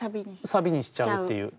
サビにしちゃうっていう。